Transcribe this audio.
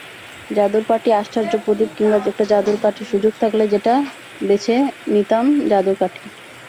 জাদুর পাটি, আশ্চর্য প্রদীপ কিংবা একটা জাদুর কাঠি—সুযোগ থাকলে যেটা বেছে নিতামজাদুর কাঠি।